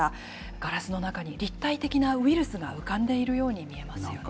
ガラスの中に立体的なウイルスが浮かんでいるように見えますよね。